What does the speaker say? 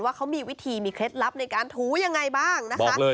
ว่าเขามีวิธีมีเคล็ดลับในการถูยังไงบ้างนะคะ